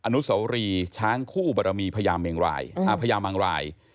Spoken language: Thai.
อนุสวรีช้างคู่บรมีพญามังราย